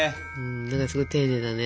何かすごい丁寧だね。